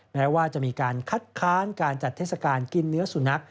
แม้ว่าจะมีการคัดค้านการจัดเทศกาลกินเนื้อสุนัข